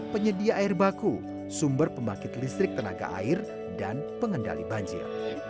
penyedia air baku sumber pembangkit listrik tenaga air dan pengendali banjir